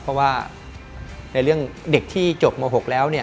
เพราะว่าเด็กที่จบเมื่อ๖แล้ว